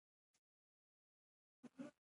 افغانستان په مزارشریف باندې تکیه لري.